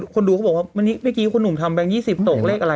คนดูเขาบอกว่าเมื่อกี้คุณหนุ่มทำแบงค์๒๐ตกเลขอะไร